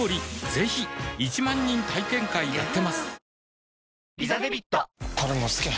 ぜひ１万人体験会やってますはぁ。